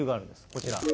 こちら。